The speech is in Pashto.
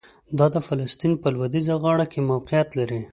دا د فلسطین په لویدیځه غاړه کې موقعیت لري.